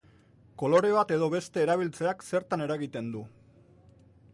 Kolore bat edo beste erabiltzeak zertan eragiten du?